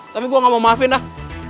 tapi gue gak mau maafin ah